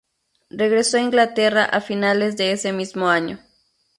Regresó a Inglaterra a finales de ese mismo año.